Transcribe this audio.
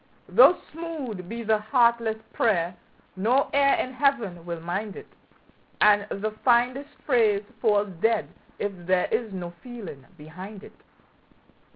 Though smooth be the heartless prayer, no ear in Heaven will mind it, And the finest phrase falls dead if there is no feeling behind it.